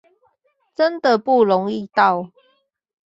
真的不容易到